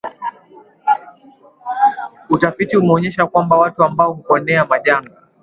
Utafiti umeonyesha kwamba watu ambao huponea majanga